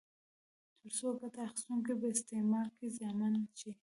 ترڅو ګټه اخیستونکي په استعمال کې زیانمن نه شي.